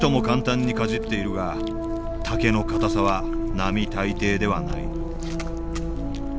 簡単にかじっているが竹の硬さは並大抵ではない。